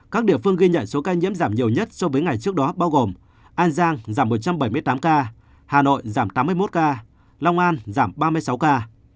các địa phương ghi nhận số ca nhiễm giảm nhiều nhất so với ngày trước đó bao gồm an giang giảm một trăm bảy mươi tám ca hà nội giảm tám mươi một ca long an giảm ba mươi sáu ca